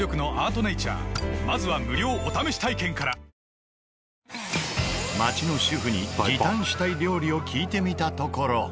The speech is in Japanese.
「アロマリッチ」街の主婦に時短したい料理を聞いてみたところ。